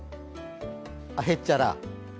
へっちゃら。